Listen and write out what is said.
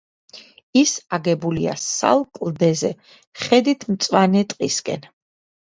ის აგებულია სალ კლდეზე ხედით მწვანე ტყისკენ.